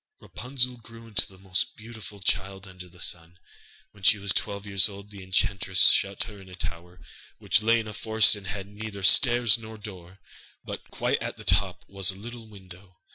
Rapunzel grew into the most beautiful child under the sun. When she was twelve years old, the enchantress shut her into a tower, which lay in a forest, and had neither stairs nor door, but quite at the top was a little window.